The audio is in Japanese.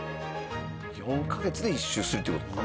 ４カ月で１周するっていう事か。